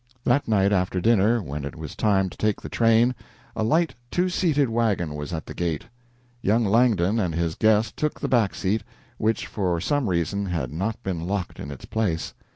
That night after dinner, when it was time to take the train, a light two seated wagon was at the gate. Young Langdon and his guest took the back seat, which, for some reason, had not been locked in its place.